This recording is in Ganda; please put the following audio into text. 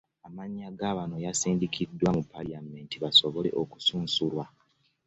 Amannya ga bano yasindikiddwa mu Paalamenti basobole okusunsulwa.